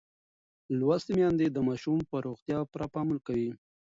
لوستې میندې د ماشوم پر روغتیا پوره پام کوي.